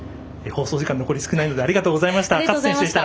放送時間、残り少ないんですがありがとうございました。